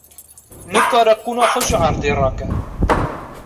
Nikare qûna xwe ji erdê rake.